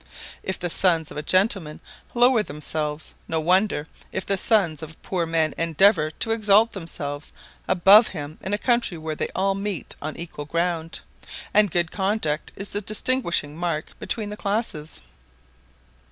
If the sons of gentlemen lower themselves, no wonder if the sons of poor men endeavour to exalt themselves about him in a country where they all meet on equal ground; and good conduct is the distinguishing mark between the classes.